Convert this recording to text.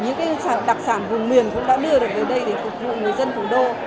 những đặc sản vùng miền cũng đã đưa được về đây để phục vụ người dân thủ đô